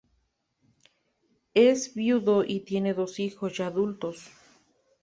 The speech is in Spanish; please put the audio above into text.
Es viudo y tiene dos hijos ya adultos.